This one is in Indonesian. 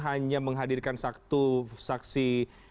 hanya menghadirkan satu saksi